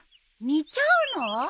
煮ちゃうの？